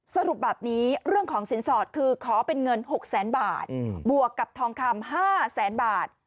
สรุปแบบนี้เรื่องของสินสอดคือขอเป็นเงิน๖แสนบาทบวกกับทองคำ๕แสนบาท